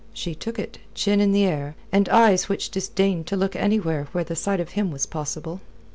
She took it, chin in the air, and eyes which disdained to look anywhere where the sight of him was possible.